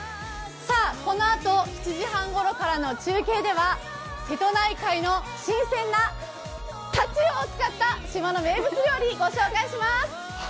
このあと、７時半ごろからの中継では瀬戸内海の新鮮なタチウオを使った島の名物料理、ご紹介します！